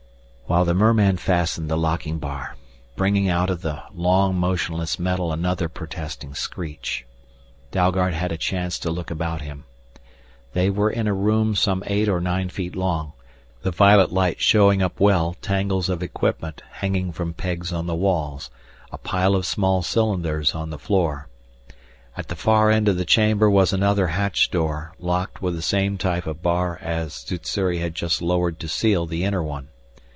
While the merman fastened the locking bar, bringing out of the long motionless metal another protesting screech, Dalgard had a chance to look about him. They were in a room some eight or nine feet long, the violet light showing up well tangles of equipment hanging from pegs on the walls, a pile of small cylinders on the floor. At the far end of the chamber was another hatch door, locked with the same type of bar as Sssuri had just lowered to seal the inner one.